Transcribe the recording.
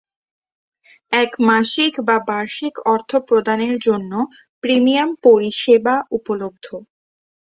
এক মাসিক বা বার্ষিক অর্থ প্রদানের জন্য প্রিমিয়াম পরিষেবা উপলব্ধ।